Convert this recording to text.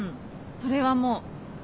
それはもう。